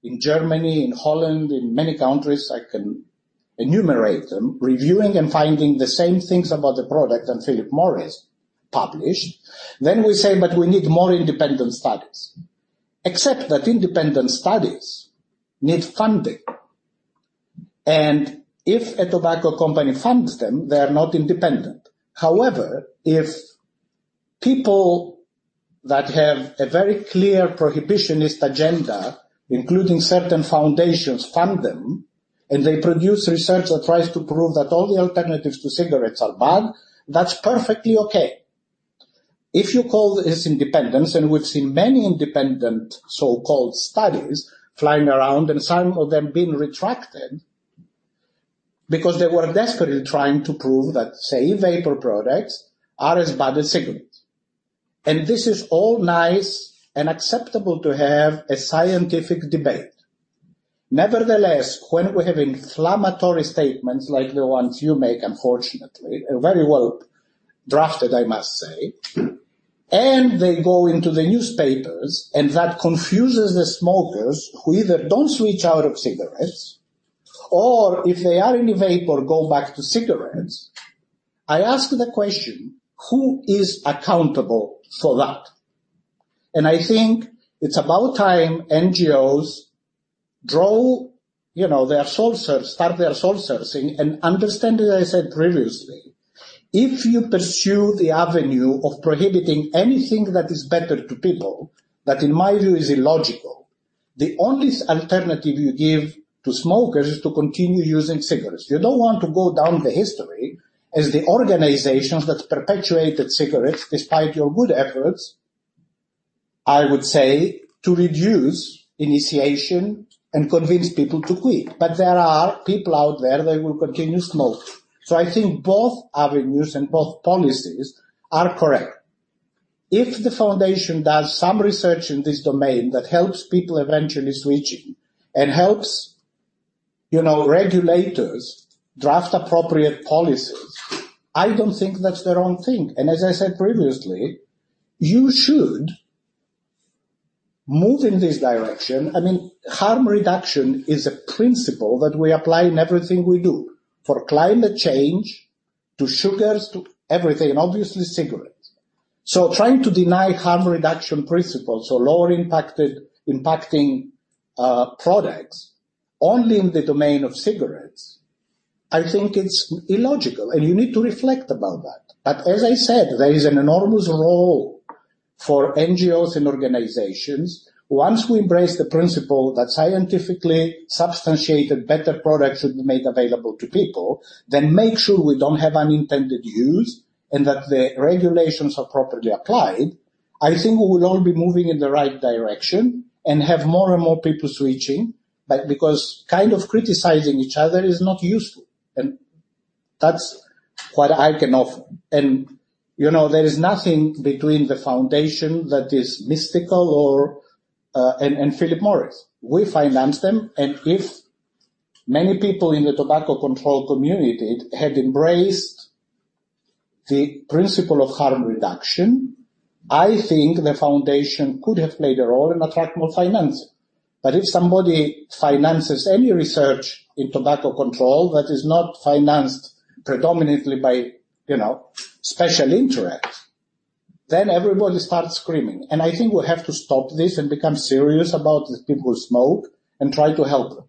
in Germany, in Holland, in many countries, I can enumerate them, reviewing and finding the same things about the product that Philip Morris published. We say, we need more independent studies. Except that independent studies need funding, if a tobacco company funds them, they are not independent. However, if people that have a very clear prohibitionist agenda, including certain foundations, fund them, they produce research that tries to prove that all the alternatives to cigarettes are bad, that's perfectly okay. If you call this independence, and we've seen many independent so-called studies flying around, and some of them being retracted because they were desperately trying to prove that, say, vapor products are as bad as cigarettes. This is all nice and acceptable to have a scientific debate. Nevertheless, when we have inflammatory statements like the ones you make, unfortunately, very well drafted, I must say, and they go into the newspapers, and that confuses the smokers who either don't switch out of cigarettes or if they are in a vapor, go back to cigarettes. I ask the question: who is accountable for that? I think it's about time NGOs start their soul-searching and understand that I said previously, if you pursue the avenue of prohibiting anything that is better to people, that in my view is illogical. The only alternative you give to smokers is to continue using cigarettes. You don't want to go down the history as the organizations that perpetuated cigarettes despite your good efforts, I would say, to reduce initiation and convince people to quit. There are people out there that will continue smoking. I think both avenues and both policies are correct. If the Foundation does some research in this domain that helps people eventually switching and helps regulators draft appropriate policies, I don't think that's the wrong thing. As I said previously, you should move in this direction. Harm reduction is a principle that we apply in everything we do, for climate change to sugars, to everything, and obviously cigarettes. Trying to deny harm reduction principles or lower impacting products only in the domain of cigarettes, I think it's illogical, and you need to reflect about that. As I said, there is an enormous role for NGOs and organizations. Once we embrace the principle that scientifically substantiated better products should be made available to people, then make sure we don't have unintended use, and that the regulations are properly applied. I think we will all be moving in the right direction and have more and more people switching, but because kind of criticizing each other is not useful. That's what I can offer. There is nothing between the foundation that is mystical or and Philip Morris. We finance them, and if many people in the tobacco control community had embraced the principle of harm reduction, I think the foundation could have played a role and attract more financing. If somebody finances any research in tobacco control that is not financed predominantly by special interests, then everybody starts screaming. I think we have to stop this and become serious about the people who smoke and try to help them.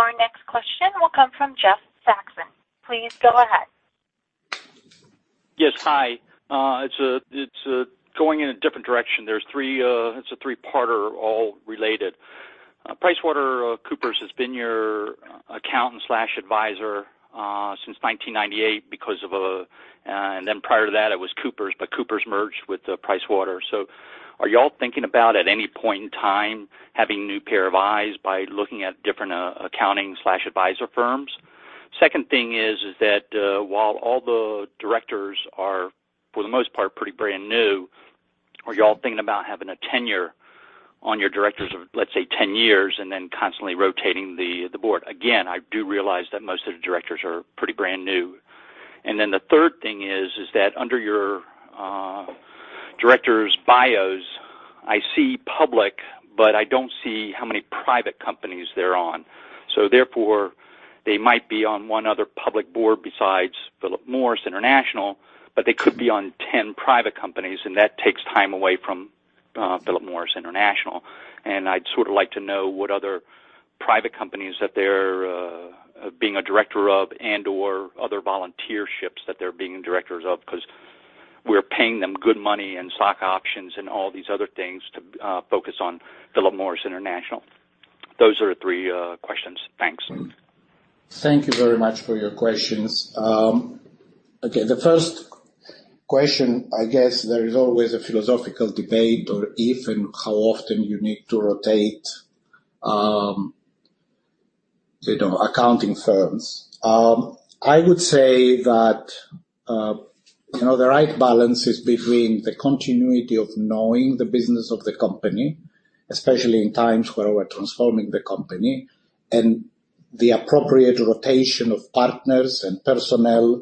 Our next question will come from Jeff Saxon. Please go ahead. Yes. Hi. It's going in a different direction. It's a three-parter, all related. PricewaterhouseCoopers has been your accountant/advisor since 1998, and then prior to that, it was Coopers, but Coopers merged with Price Waterhouse. Are you all thinking about, at any point in time, having a new pair of eyes by looking at different accounting/advisor firms? Second thing is that, while all the directors are, for the most part, pretty brand new, are you all thinking about having a tenure on your directors of, let's say, 10 years, and then constantly rotating the board? Again, I do realize that most of the directors are pretty brand new. The third thing is that under your directors' bios, I see public, but I don't see how many private companies they're on. Therefore, they might be on one other public board besides Philip Morris International, but they could be on 10 private companies, and that takes time away from Philip Morris International. I'd sort of like to know what other private companies that they're being a director of and/or other volunteerships that they're being directors of, because we're paying them good money and stock options and all these other things to focus on Philip Morris International. Those are the three questions. Thanks. Thank you very much for your questions. Okay, the first question, I guess there is always a philosophical debate or if and how often you need to rotate accounting firms. I would say that the right balance is between the continuity of knowing the business of the company, especially in times where we're transforming the company, and the appropriate rotation of partners and personnel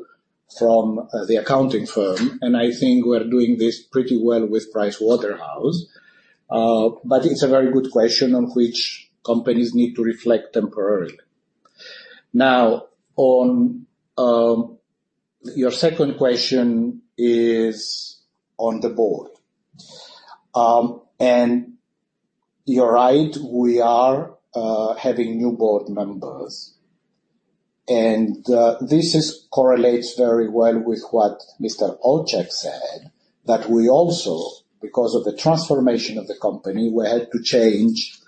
from the accounting firm. I think we're doing this pretty well with PricewaterhouseCoopers. It's a very good question on which companies need to reflect temporarily. Now, on your second question is on the board. You're right, we are having new board members. This correlates very well with what Mr. Olczak said, that we also, because of the transformation of the company, we had to change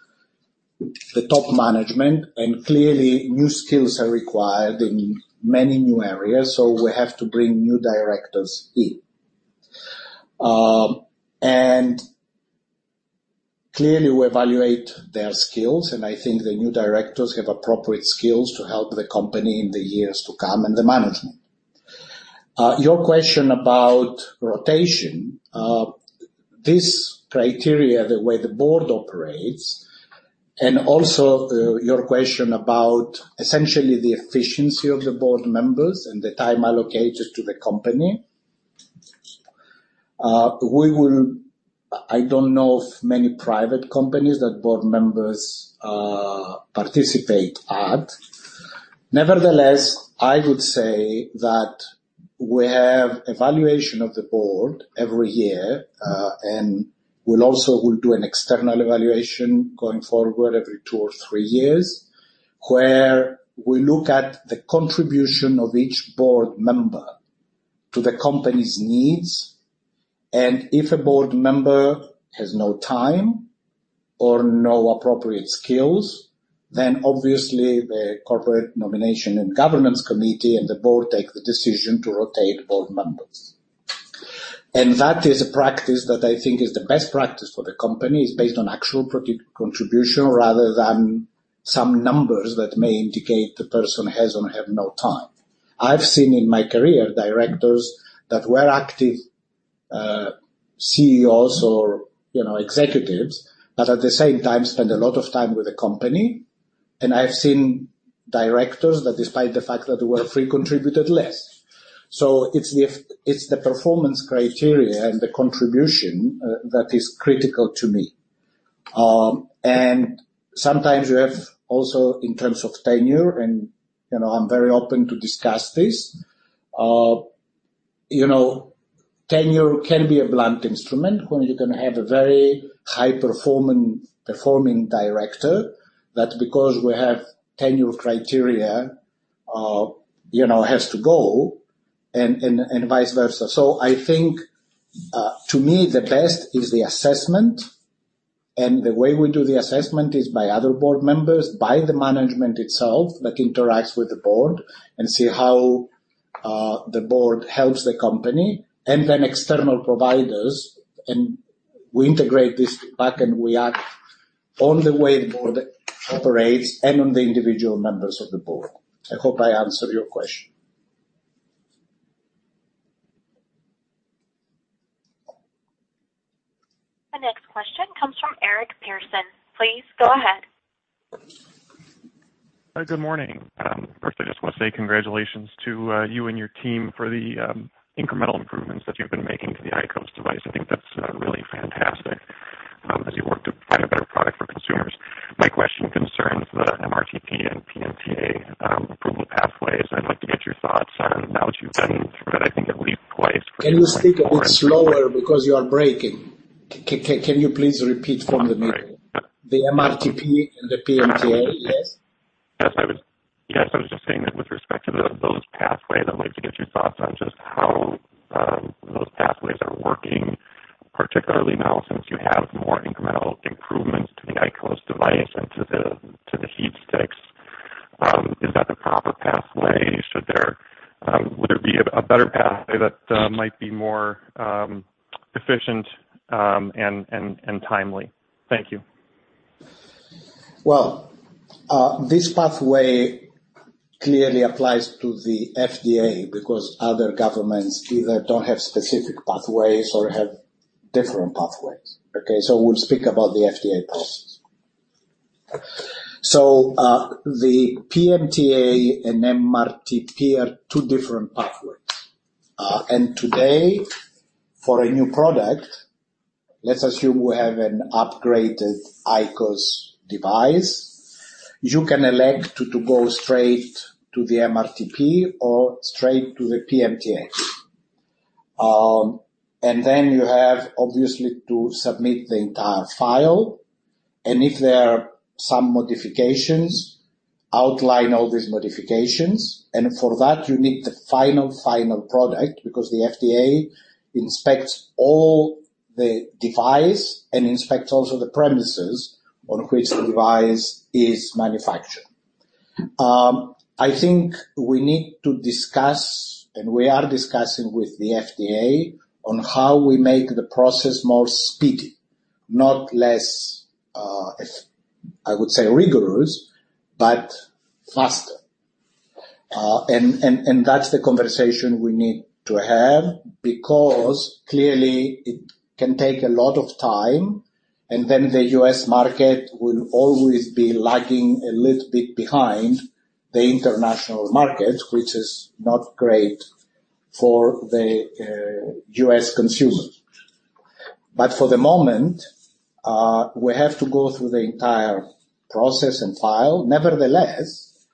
the top management, and clearly, new skills are required in many new areas, so we have to bring new directors in. Clearly, we evaluate their skills, and I think the new directors have appropriate skills to help the company in the years to come and the management. Your question about rotation. This criteria, the way the board operates, and also your question about essentially the efficiency of the board members and the time allocated to the company, I don't know of many private companies that board members participate at. Nevertheless, I would say that we have evaluation of the board every year, and we'll also do an external evaluation going forward every two or three years, where we look at the contribution of each board member to the company's needs, and if a board member has no time or no appropriate skills, then obviously the Corporate Nomination and Governance Committee and the board take the decision to rotate board members. That is a practice that I think is the best practice for the company. It's based on actual contribution rather than some numbers that may indicate the person has or have no time. I've seen in my career directors that were active CEOs or executives that, at the same time, spend a lot of time with the company, and I've seen directors that, despite the fact that they were free, contributed less. It's the performance criteria and the contribution that is critical to me. Sometimes you have also in terms of tenure, and I'm very open to discuss this. Tenure can be a blunt instrument when you can have a very high-performing director that, because we have tenure criteria, has to go, and vice versa. I think, to me, the best is the assessment, and the way we do the assessment is by other board members, by the management itself that interacts with the board and see how the board helps the company, and then external providers, and we integrate this back and we act on the way the board operates and on the individual members of the board. I hope I answered your question. The next question comes from Eric Pearson. Please go ahead. Good morning. I just want to say congratulations to you and your team for the incremental improvements that you've been making to the IQOS device. I think that's really fantastic as you work to find a better product for consumers. My question concerns the MRTP and PMTA approval pathways. I'd like to get your thoughts on now that you've been through it, I think at least twice. Can you speak a bit slower because you are breaking. Can you please repeat from the beginning? Sorry. The MRTP and the PMTA. Yes? Yes, I was just saying that with respect to those pathways, I'd like to get your thoughts on just how those pathways are working, particularly now since you have more incremental improvements to the IQOS device and to the HeatSticks. Is that the proper pathway? Would there be a better pathway that might be more efficient and timely? Thank you. This pathway clearly applies to the FDA because other governments either don't have specific pathways or have different pathways. We'll speak about the FDA process. The PMTA and MRTP are two different pathways. Today, for a new product, let's assume we have an upgraded IQOS device. You can elect to go straight to the MRTP or straight to the PMTA. You have obviously to submit the entire file, and if there are some modifications, outline all these modifications. For that, you need the final product because the FDA inspects all the device and inspects also the premises on which the device is manufactured. I think we need to discuss, and we are discussing with the FDA on how we make the process more speedy. Not less, I would say, rigorous, but faster. That's the conversation we need to have because clearly it can take a lot of time, and then the U.S. market will always be lagging a little bit behind the international market, which is not great for the U.S. consumer. For the moment, we have to go through the entire process and file. Nevertheless,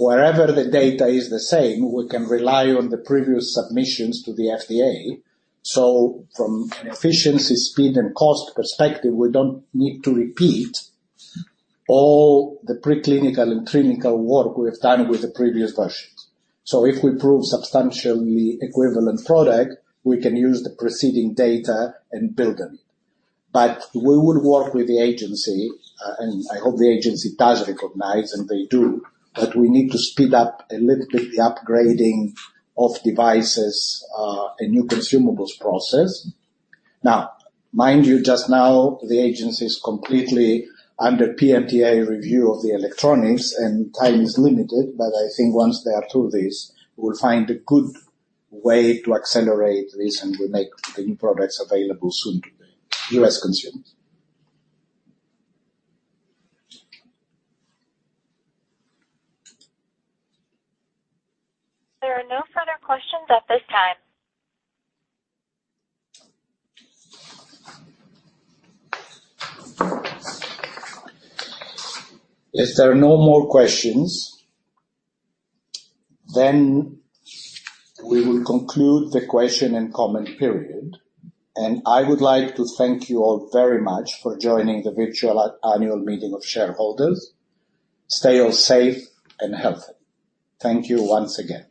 wherever the data is the same, we can rely on the previous submissions to the FDA. From an efficiency, speed, and cost perspective, we don't need to repeat all the preclinical and clinical work we have done with the previous versions. If we prove substantially equivalent product, we can use the preceding data and build on it. We would work with the agency, and I hope the agency does recognize, and they do, that we need to speed up a little bit the upgrading of devices, a new consumables process. Mind you, just now, the agency's completely under PMTA review of the electronics, and time is limited. I think once they are through this, we'll find a good way to accelerate this, and we'll make the new products available soon to the U.S. consumers. There are no further questions at this time. If there are no more questions, then we will conclude the question and comment period. I would like to thank you all very much for joining the virtual annual meeting of shareholders. Stay all safe and healthy. Thank you once again.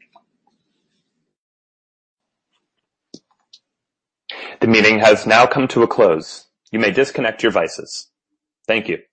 The meeting has now come to a close. You may disconnect your devices. Thank you.